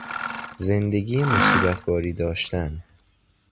زندگی مصیبت باری داشتن